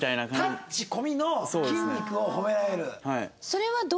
タッチ込みの筋肉を褒められる。